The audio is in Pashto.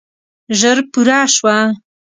ژر پوره شوه.